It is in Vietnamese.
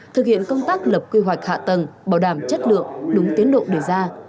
thực hiện công tác lập quy hoạch hạ tầng bảo đảm chất lượng đúng tiến độ đề ra